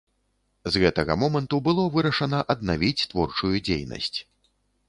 З гэтага моманту было вырашана аднавіць творчую дзейнасць.